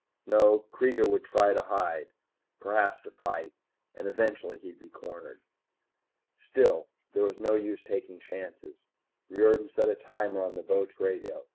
No, Kreega would try to hide, and perhaps to fight, and eventually he'd be cornered. Still, there was no use taking chances. Riordan set a timer on the boat's radio.